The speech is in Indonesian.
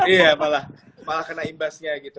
iya malah kena imbasnya gitu